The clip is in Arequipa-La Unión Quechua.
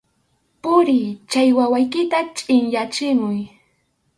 ¡Puriy, chay wawaykita chʼinyachimuy!